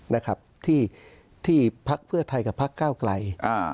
นะครับที่ที่พักเพื่อไทยกับพักเก้าไกลอ่า